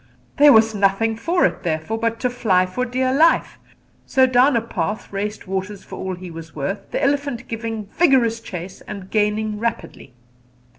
There was nothing for it, therefore, but to fly for dear life; so down a path raced Waters for all he was worth, the elephant giving vigorous chase and gaining rapidly.